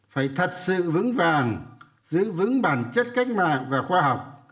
phải thật sự vững vàng giữ vững bản chất cách mạng và khoa học